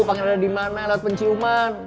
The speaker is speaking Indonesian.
panggilan ada di mana lewat penciuman